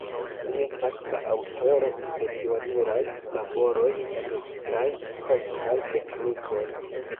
Li estas la aŭtoro de pioniraj laboroj en kaj kosmaj teknikoj.